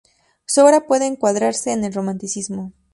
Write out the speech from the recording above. Su obra puede encuadrarse en el Romanticismo.